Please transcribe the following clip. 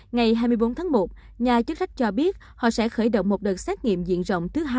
ngày hai mươi bốn tháng một nhà chức trách cho biết họ sẽ khởi động một đợt xét nghiệm diện rộng thứ hai